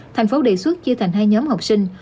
tp hcm đề xuất chia thành hai nhóm học sinh